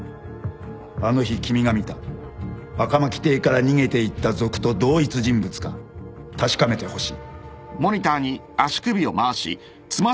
あの日君が見た赤巻邸から逃げていった賊と同一人物か確かめてほしい